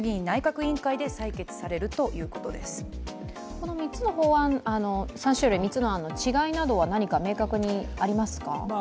この３つの法案、３種類３つの案の違いなどは明確にありますか？